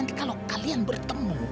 nanti kalau kalian bertemu